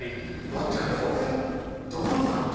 待ってくれ俺ドボンなのか？